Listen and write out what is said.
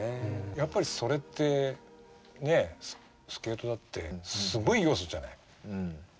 やっぱりそれってねスケートだってすごい要素じゃない？